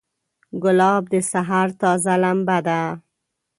ګلاب د سحر تازه لمبه ده.